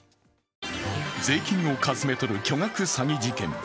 税金をかすめ取る巨額詐欺事件。